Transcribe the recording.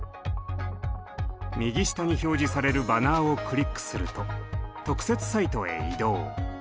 右下に表示されるバナーをクリックすると特設サイトへ移動。